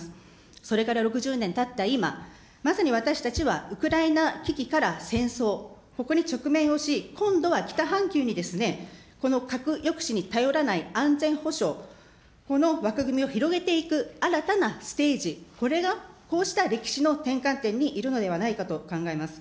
それから６０年たった今、まさに私たちは、ウクライナ危機から戦争、ここに直面をし、今度は北半球にですね、この核抑止に頼らない安全保障、この枠組みを広げていく新たなステージ、これが、こうした歴史の転換点にいるのではないかと考えます。